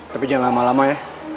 tapi jangan lama lama ya